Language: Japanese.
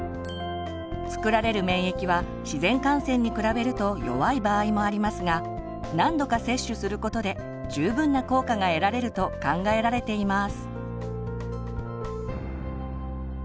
作られる免疫は自然感染に比べると弱い場合もありますが何度か接種することで十分な効果が得られると考えられています。